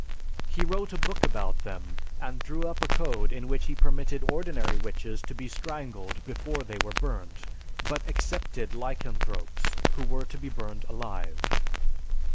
He wrote a book about them and drew up a code in which he permitted ordinary witches to be strangled before they were burnt, but excepted lycanthropes who were to be burnt alive.